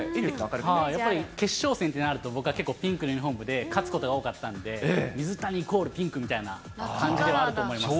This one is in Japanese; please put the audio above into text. やっぱり決勝戦となると、僕は結構、ピンクのユニホームで勝つことが多かったんで、水谷イコールピンクみたいな感じではあると思います。